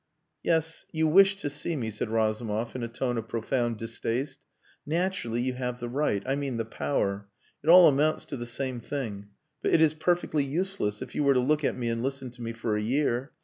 "Yes you wished to see me," said Razumov in a tone of profound distaste. "Naturally you have the right I mean the power. It all amounts to the same thing. But it is perfectly useless, if you were to look at me and listen to me for a year.